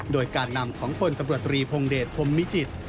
โดยการนำกันคนตำรวจรีพองเดชพมมิจิตฯ